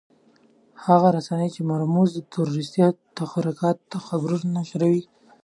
هغه رسنۍ چې د مرموزو تروريستي تحرکاتو خبرونه نشروي.